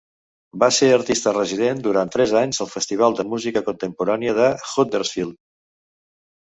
Va ser artista resident durant tres anys al Festival de Música contemporània de Huddersfield.